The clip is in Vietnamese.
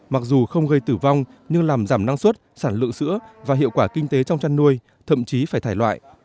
mặc dù không gây tử vong nhưng làm giảm năng suất sản lượng sữa và hiệu quả kinh tế trong chăn nuôi thậm chí phải thải loại